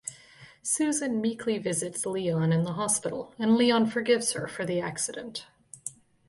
Susan meekly visits Leon in the hospital and Leon forgives her for the accident.